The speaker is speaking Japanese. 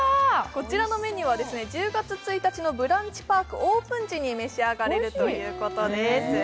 こちらのメニューは１０月１日のブランチパークオープン時に召し上がれるということです。